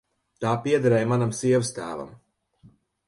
Tā piederēja manam sievastēvam.